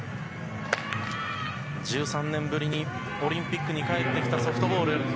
１３年ぶりにオリンピックに帰ってきたソフトボール。